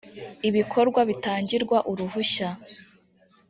ibikorwa bitangirwa uruhushya